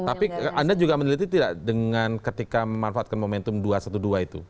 tapi anda juga meneliti tidak dengan ketika memanfaatkan momentum dua ratus dua belas itu